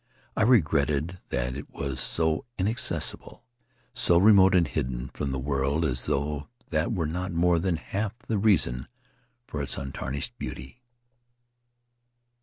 I regretted that it was so inaccessible, so remote and hidden from the world, as though that were not more than half the reason for its untarnished beauty.